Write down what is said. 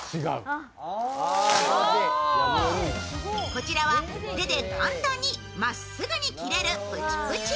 こちらは、手で簡単にまっすぐに切れるプチプチ。